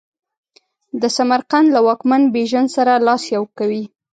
د سمرقند له واکمن بیژن سره لاس یو کوي.